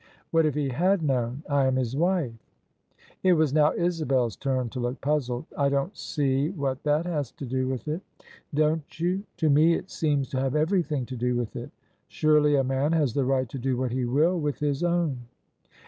" What if he had known? I am his wife." It was now Isabel's turn to look puzzled. " I don't see what that has to do with it." "Don't you? To me it seems to have everything to do with it. Surely a man has the right to do what he will with his own."